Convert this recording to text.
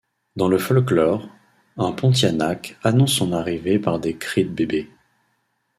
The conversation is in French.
Dans le folklore, un Pontianak annonce son arrivée par des cris de bébés.